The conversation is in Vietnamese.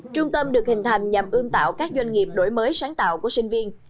trung tâm được hình thành nhằm ươm tạo các doanh nghiệp đổi mới sáng tạo của sinh viên